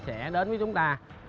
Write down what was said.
sẽ đến với chúng ta